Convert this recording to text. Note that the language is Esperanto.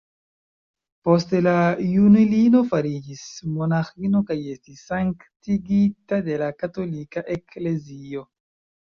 Poste la junulino fariĝis monaĥino kaj estis sanktigita de la katolika Eklezio.